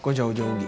kok jauh jauh gitu